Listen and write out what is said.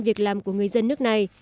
việc làm của người dân nước này